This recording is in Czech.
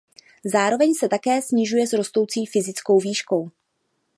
Zároveň se také snižuje s rostoucí fyzickou výškou.